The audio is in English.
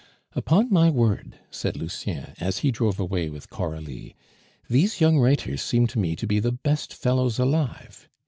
"Upon my word," said Lucien, as he drove away with Coralie, "these young writers seem to me to be the best fellows alive.